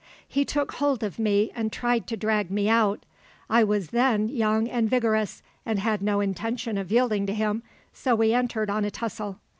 He took hold of me and tried to drag me out. I was then young and vigorous, and had no intention of yielding to him, so we entered on a tussle.